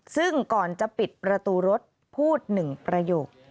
ซึ่งก่อนจะปิดประตูรถพูด๑ประโยค